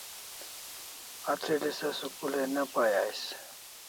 Atril'i se school ai ne pai ais